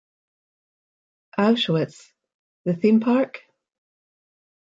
Auschwitz: The Theme Park?